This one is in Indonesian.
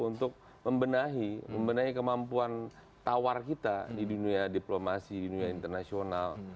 untuk membenahi membenahi kemampuan tawar kita di dunia diplomasi di dunia internasional